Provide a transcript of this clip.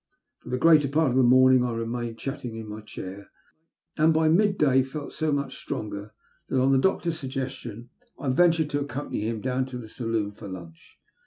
For the greater part of the morning I remained chatting in my chair, and by mid day felt so much stronger that, on the doctor's suggestion, I ventured to accompany him down to the saloon for lunch.